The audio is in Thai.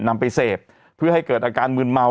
นำไปเสพเพื่อให้เกิดอาการมืนเมา